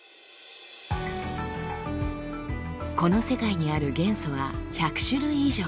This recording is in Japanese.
この世界にある元素は１００種類以上。